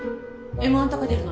Ｍ−１とか出るの？